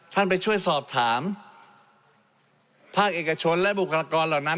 ไปช่วยสอบถามภาคเอกชนและบุคลากรเหล่านั้น